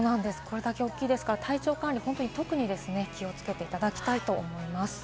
大きいですから体調管理に特に気をつけていただきたいと思います。